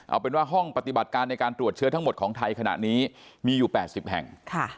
เอาเป็นว่าห้องปฏิบัติการในการตรวจเชื้อทั้งหมดของไทยขณะนี้มีอยู่๘๐แห่ง